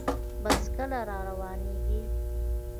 بس کله روانیږي؟